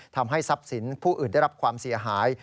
ทำให้ทรัพย์สินผู้อื่นได้รับความเสียหาย